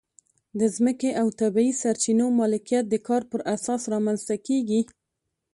د ځمکې او طبیعي سرچینو مالکیت د کار پر اساس رامنځته کېږي.